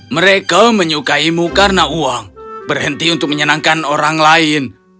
mereka menyukaimu karena uang berhenti untuk menyenangkan orang lain